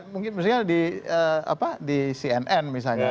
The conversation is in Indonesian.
mungkin misalnya di cnn misalnya